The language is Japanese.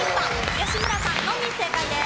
吉村さんのみ正解です。